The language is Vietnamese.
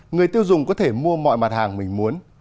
người tiêu dùng có thể mua mọi mặt hàng mình muốn